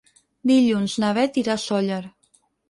Dilluns na Beth irà a Sóller.